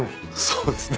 そうですね。